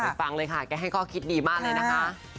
ฟังเลยค่ะแกให้ข้อคิดดีมากเลยนะคะ